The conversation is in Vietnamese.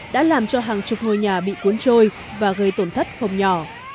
đã làm cho hàng chục ngôi nhà bị cuốn trôi và gây tổn thất không nhỏ